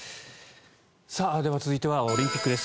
では、続いてはオリンピックです。